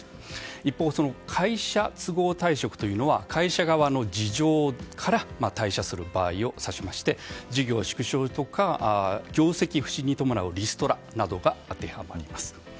一方、会社都合退職というのは会社側の事情から退社する場合を指しまして事業縮小とか業績不振に伴うリストラなどが当てはまります。